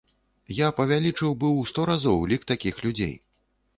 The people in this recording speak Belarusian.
Я павялічыў бы ў сто разоў лік такіх людзей.